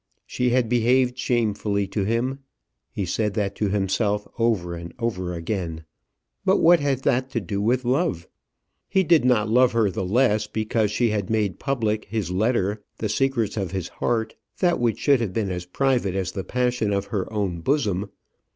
She had behaved shamefully to him. He said that to himself over and over again. But what had that to do with love? He did not love her the less because she had made public his letter, the secrets of his heart, that which should have been as private as the passion of her own bosom.